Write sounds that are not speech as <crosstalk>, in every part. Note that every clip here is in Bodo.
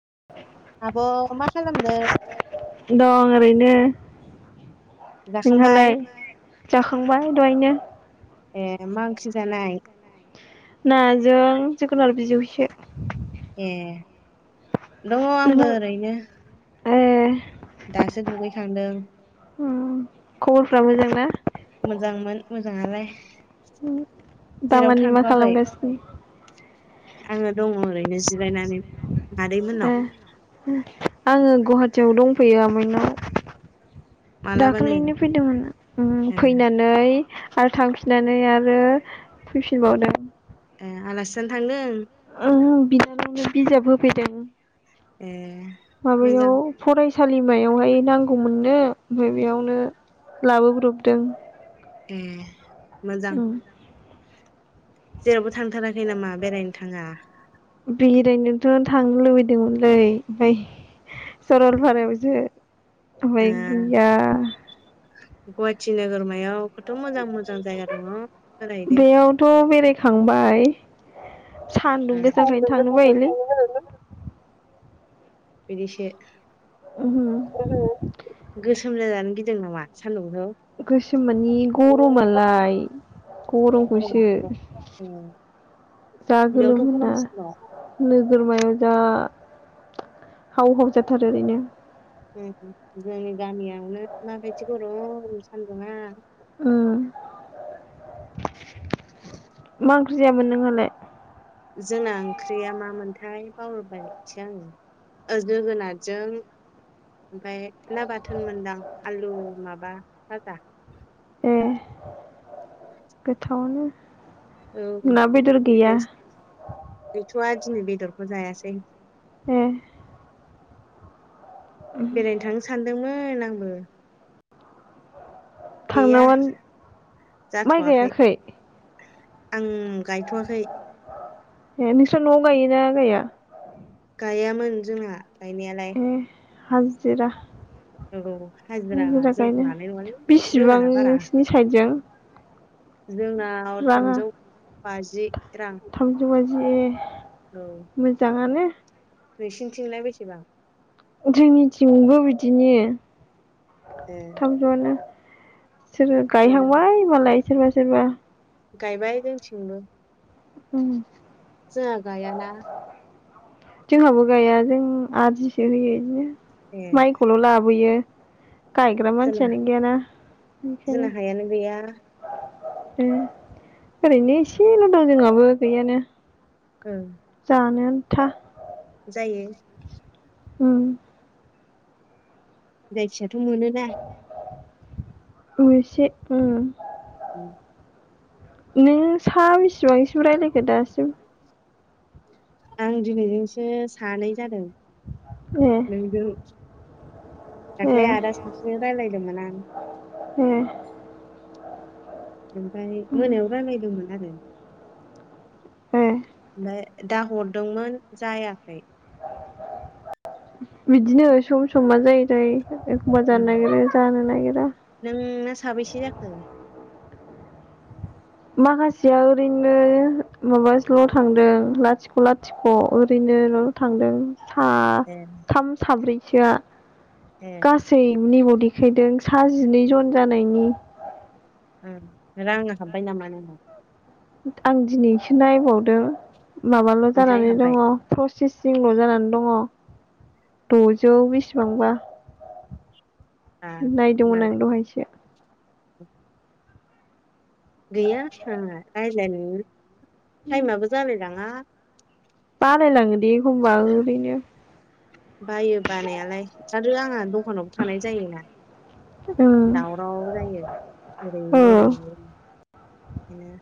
<inaudible> आब' मा खालामदों? दं ओरैनो। जाखांबाय नोंहालाय? जाखांबाय दहायनो। ए मा ओंख्रि जानाय? नाजों जोगोनार बिजौसो। ए दङ नोंहा आंबो ओरैनो। ए दासो दुगैखांदों। उम खबरफोरा मोजां ना? मोजांमोन मोजाङालाय। उम। दा मानि मा खालामगासिनो? आंङो दंङ ओरैनो जिरायनानै मादै मोननाव। आंङो गुवाहाटियाव दंफैयो आमायनाव। मालाबानो दाखालिनो फैदोंमोन फैनानै उम ए फैनै आरो थांफिननानै आरो फैफिनबावदों। ए आलासिजानो थांदों? ओहो बिनानावनो बिजाब होफैदों। ए मोजां माबायाव फराय सालिमायावहाय नांगौमोननो ओमफ्राय बेयावनो लाबोब्रबदों। ए। मोजां। उम जेरावबो थांथाराखै नामा बेरायनो थाङा? ओरैनोथ' थांनो लुबैदोंमोनलै ओमफ्राय सरलपारायावसो। ओ <unintelligible> गैया। गुवाहाटि नोगोरमायाव खथ' मोजां मोजां जायगा दङ बेरायहैदो बेयावथ' बेरायखांबाय। सान्दुं गोसाखायनो थांनो बायोलै <unintelligible> बिदिसो। उम सोम जानो गिदिदों नामा सानदुं गोसोम माने गरमालाय गरम गरमखौसो उम जा गोलोम बेयावथ' मोना गरमसिन नोगोरमायाव जा हाव हाव जाथारो ओरैनो। उम जोंनि गामियावनो माबायदि गरम सान्दुंङा। उम मा ओंख्रि जायामोन नोंहालाय? जोंना ओंख्रिया मामोनथाय <unintelligible> आङो जोगोनारजों ओमफाय ना बाथोन मोनदां आलु माबा भाजा। ए गोथावानो। औ <unintelligible> गैथया दिनै बेदरखौ जायासै। ए बेरायनो थांनो सानदोंमो न आंबो। गैया थांनावानो माइ जाथ'वाखै गायाखै? आं गायथ'वाखै। ए नोंस्रा न'आव गायगोना गाया? गायामोन जोंहा गायनायालाय ए हाजिरा औ हाजिरा जोंखौ लानाय नङालै, बेसेबां रोङाना बारा नोंसिनि साइडजों जोंनाव राङा थामजौ। बाजि। रां थामजौ बाजि औ मोजाङानो। नोंसिनिथिंलाय बेसेबां? जोंनिथिंबो बिदिनो ए थामजौ आनो। सोरो? मोजां गायहांबाय मालाय सोरबा-सोरबा गायबाय जोंथिंबो। उम जोंङा गायाना जोंहाबो गाया जों आदिसो होयो बिदिनो। ए माइखौल' लाबोयो। गायग्रा जोंना मानसियानो गैया ना ओंखायनो। जोंना हायानो गैया ओम ओरैनो इसेल' दं जोंङाबो गैयानो। उम। जानो आन्था। जायो उम गायसिगोन? मोनोना उम इसे उम उम। नों सा बेसेबांसिम रायलायखो दासिम? आं दिनैजोंसो सानै जादों। ए नोंगौ। ए दाख्लै आदा सासे जों रायलायदोमोन आं। ए। ओमफ्राय उम, मोनायाव रायलायदोंमोन आरो ए। ओमफ्राय दा हरदोंमोन जायाखै। बिदिनो सम सम मा जायोथाय? एखमबा उम, जानो नागिरो जानो नागिरा। नोंना साबैसे जाखो? माखासेया ओरैनो माबासोल' थांदों लाथिख' लाथिख' ओरैनोल' थांदों। सा ए थाम साब्रै थिया ए गासैनिबद देखायदों सा जिनै जन जानायनि ओं रां हाबबाय नामा नोंना? आं दिनैसो नायबावदो। माबाल' ओमफ्राय जानानै हाब्बाय दङ प्रसेसिंल' जानानै दङ। द'जौ बेसेबांबा। आ नायदोंमोन मालाय आं दहायसो। गैया आंना रायलायनो नो टाइमाबो जालाय लाङा। बालायलांयो दे एखमबाबो ओरैनो। बायो बानायालाय आरो आंहा द'खानावबो थानाय जायोना। ओं दावराव जायो ओ ओरैनि ओरैनि। ओंखायनो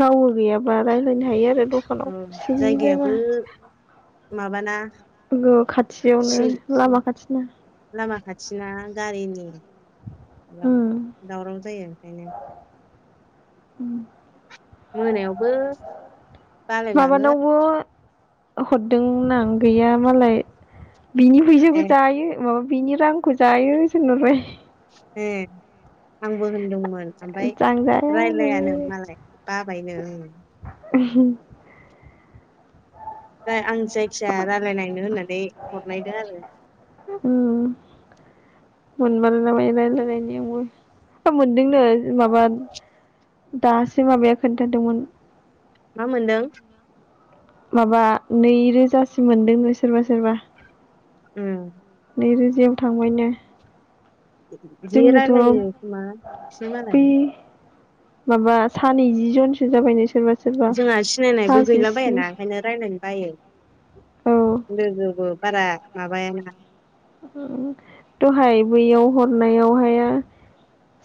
रावबो गैयाबा राय लायनो हायो आरो द'खानाव औ सिरि जाबा। जायगायाबो माबाना नंगौ खाथियावनो लामा खाथिना। थिना गारिनि उम दावराव जायो। ओंखायनो मोनायावबो बालायलाङो माबानावबो हरदोंमोन आं गैया मालाय ए बिनिफैसाखौ जायो माबा बिनि रांखौ जायो सो होनहरबाय। ए आंबो होनदोंमोन ओमफ्राय आं जाया रायलायानो मालाय बाबायनो ओं। <unintelligible> जाय आं जायखिजाया रालायलायनो होननानै हरनायदो आरो। मोनमारोना मायो रायलायनायनि आंबो। ओ मोनदोंनो माबा दासो माबाया खोन्थादोंमोन। मा मोनदों? माबा नैरोजासिम मोनदोंनो सोरबा सोरबा उम नै रोजायाव थांबायनो जि जोंनोथ' रायलायो खोमा बिसोर मालाय बै माबा सा नैजि जनसो जाबाय नो जोंहा सिनायनायबो गैला बायाना ओंखायनो रायलायनो बायो औ लोगोबो बारा माबा बाया ना उम दहाय बैयाव हरनायावहाय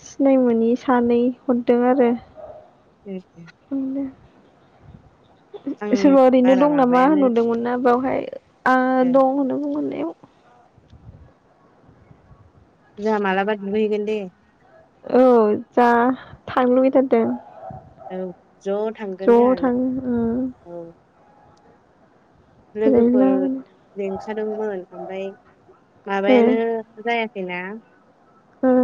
सिनाय मोनै सानै हरदों आरो <unintelligible> आं सोरबा ओरैनो बारा दं नामा माबायानो होनहरदोंमोन ना बावहाय आ दं होनदों मोननायाव <inaudible> जाहा मालाबा दुगै हैगोन दै औ जा थांनो लुबैथारदों औ ज' थांगोन जोंहा ज' लो थाङो औ लोगोफोर बेरायहैलाबायनो लिंखादोंमोन ओमफ्राय माबायानो जाया बिना उम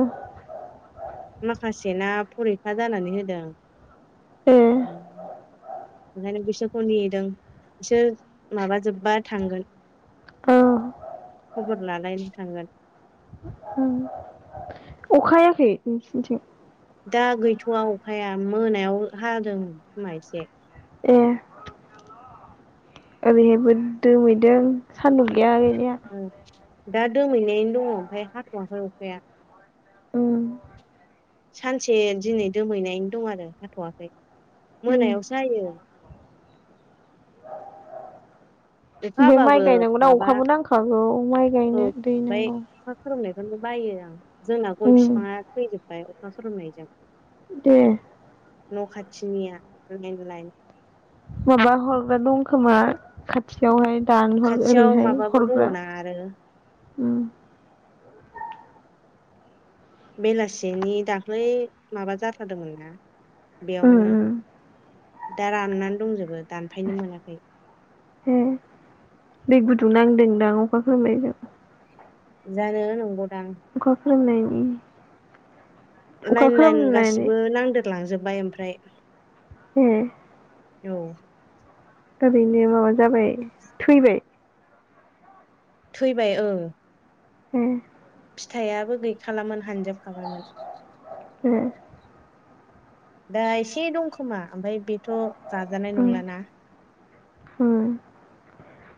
माखासे ना फरिखा जानानै होदों ए <inaudible> ओंखायनो बिसोरखौ नेदों बिसोर माबाजोब्बा थांगोन औ खबर लालायनो थांगोन अखायाखै नोंसिनिथिं दा गैथ'वा अखाया मोनायाव हादों खुमा एसे ए ओरैहायबो दोमैदों सान्दुं गैया गैनाया ओ दा दोमैनायनो दङ ओमफ्राय हाथ'वाखै अखाया उम सानसे दिनै दोमैनाय दं आरो हाथ'वाखै उम मोनायावसो हायो अखा बे माइ हाबाबो गायनांगौना माबा अखाबो नांखागौ माइ औ गायनो दै ओमफ्राय नांगौ अखा <unintelligible> बायो आं जोंना गय उम बिफाङा थैजोबबाय अखा खोरोमनायजों दे न' खाथिनिया लाइन लाइन माबा हरग्रा दंखोमा खाथियावहाय दानहर खाथियाव ओरैहाय माबाबो दङ ना आरो ओम <inaudible> बेयावनो उम उम दा राननानै दंजोबो दानफायनो मोनाखै ए दै गुदुं नांदोंदां अखा खोरोमनायजों जानो नंगौ दां अखा खोरोमनायनि अखा लाइन लाइन खोरोमनानै गासिबो नांदेरलांजोब बाय ओमफ्राय ए औ ओरैनो माबा जाबाय थैबाय थैबाय ओ ए फिथाइयाबो गैखालामोन हानजोबखाबायमोन ए दा एसे दंखोमा ओमफ्राय बेथ जाजानाय उम नंलाना उम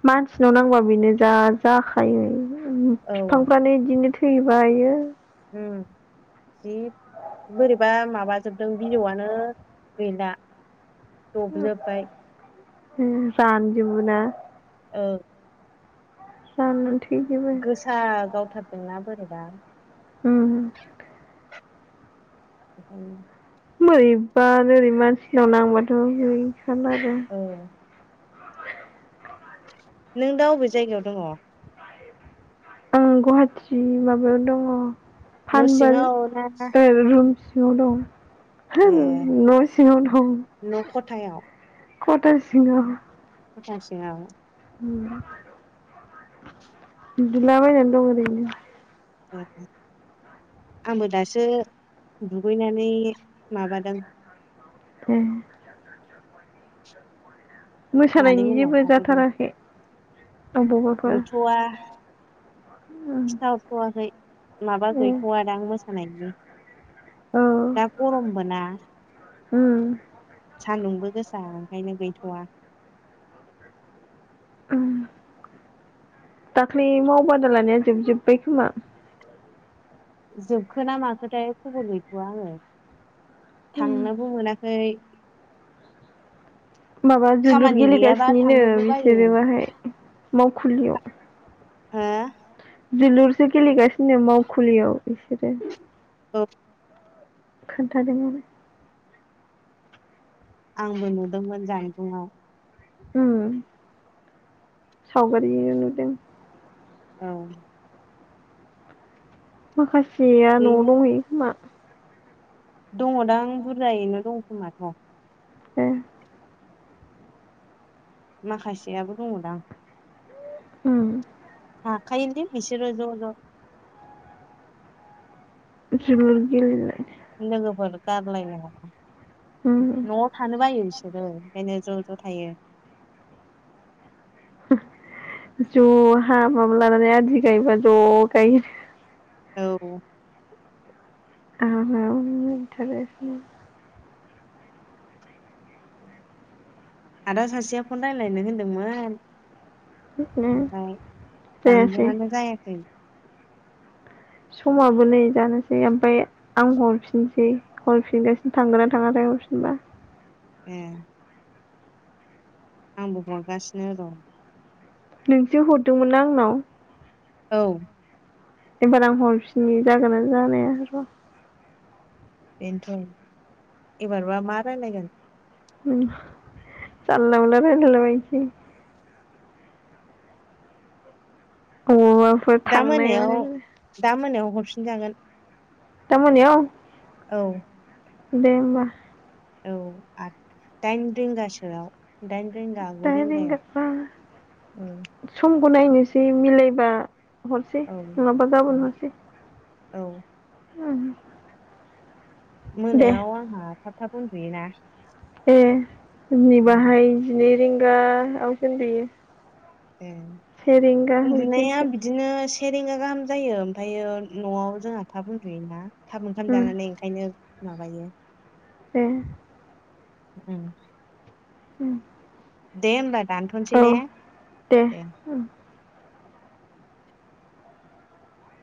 मानसिनाव नांबा बेनो जा जाखायो ओ औ फिफांफ्रानो इदिनो थै थैबायो ओ जि बोरैबा माबाजोबदों बिजौआनो गैला दबजोबबाय ओम रानजोबोना औ राननानै थै गोसा गावथारदोंना बोरैबा उम‌ उम औ बोरैबा ओरै मानसिनाव नांबाथ है औ <unintelligible> नों दा अबे जायगायाव दङ आं गुवाहाटि माबायाव दङ न' फानबाज सिङाव ना ओ रुमस नवाव दं हो ए न सिङाव दं न' खथायाव खथा सिङाव खथा सिङाव उनदुला बायनानै दं ओरैनो। ए आंबो दासो दुगैनानै माबादों ए। मादै मोसानायनि जेबो जाथाराखै अबावबाफोर गैथ'आ उम खिथाहरथ'वाखै माबा ए गैथ'वा दां मोसानाय बि औ दा गरम बोना उम सान्दुंबो गोसा ओंखायनो गैथ'वा म दाख्लै मावबादा लानाया जोबजोब्बाय खोमा? जोबखोन ना माखोथाय खबर गैथ'आ आङो। उम थांनोबो मोनाखै माबा जोलुर खामानि गैयाबा गेलेगासिनोनो थांनोबो बायो बिसोरो बाहाय मावखुलियाव हो? जोलुरसो गेलेगासिनो मावखुलियाव बिसोरो अ खोन्थादोंआनो आंबो नुदोंमोन जानबुङाव उम सावगारिरि नुदों। औ। माखासे सेया न'आव गैया दंहैयो खोमा? दङदां बुरजायैनो दं खोमाथ' ए माखासेयाबो दङ दां उम। हाखोयोलै बिसोरो ज' ज' जोलुर गेले नङफोर गारलाय न उम न'आव थानो बायो बिसोरो ओंखायनो ज' ज' थायो। ज' हा माबा लानानै आदि गायबा ज' गाययो। औ आराम एनटारेसनो आदा सासेया फन रायज्लायनो होनदोंमोन ओमफ्राय जायासै दामजुंआनो जायाखै समाबो नै जानोसै ओमफ्राय आं हरफिनसै हरफिनगासिनो थांगोना थाङाथाय हरफिनबा? ए आंबो हरगासिनो दं। नोंसो हरदोंमोनना आंनाव? औ एबार आं हरफिननि जागोना जानाया र' बेनथ' एबारबा मा रायज्लायगोन जानला मोनला रायलायलाबायसै <unintelligible> दा थांनाय मोनायाव मानाय दा मोनायाव, हरफिनजागोन, दा मोनायाव औ दे ओनबा, औ आ दाइन रिंगासोआव दाइन, रिंगा गु दाइन रिंगायाव रिंगा उम समखौ नायनोसै मिलायबा, हरसै नङाबा औ गाबोन हरसै, औ उम दे मोनायाव आंहा थाब, थाब उन्दुयो ना, ए दिनै बाहाय जिनै रिं <unintelligible> आवसो उन्दुयो, ए से रिंगा उन्दुनाया बिदियावसो बिदिनो से रिंगा गाहाम जायो ओमफ्रायो न'आव जोंहा थाब उन्दुंयोना, थाब ओंखाम उम जानालाय ओंखायनो माबायो, ए उम उम दे ओमबा दानथ'सै ने दे